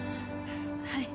はい。